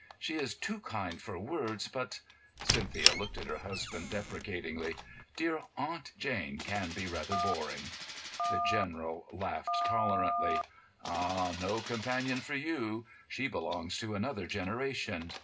"She is too kind for words, but"—Cynthia looked at her husband deprecatingly—"dear Aunt Jane can be rather boring." The General laughed tolerantly. "Ah, no companion for you. She belongs to another generation."